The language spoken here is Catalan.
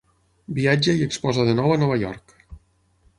Viatja i exposa de nou a Nova York.